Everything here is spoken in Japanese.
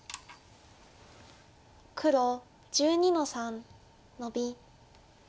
黒１２の三ノビ。